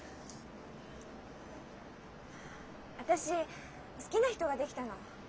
私好きな人が出来たの。